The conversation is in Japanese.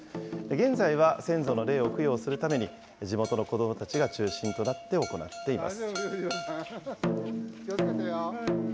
現在は先祖の霊を供養するために、地元の子どもたちが中心となって行っています。